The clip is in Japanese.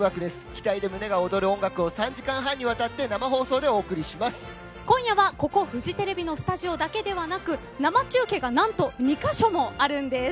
期待で胸が躍る音楽を３時間半にわたって今夜はここフジテレビのスタジオだけではなく生中継が何と２カ所もあるんです。